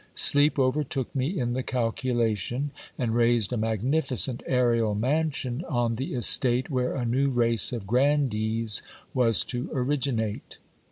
Sleep overtook me in the calculation, and raised a magnificent aerial mansion on the estate where a new race of grandees was to originate.